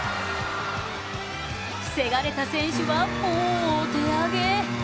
防がれた選手はもうお手上げ。